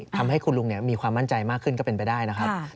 ทำให้คุณลุงมีความมั่นใจมากขึ้นก็เป็นไปได้นะครับ